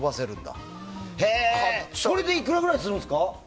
これでいくらくらいするんですか？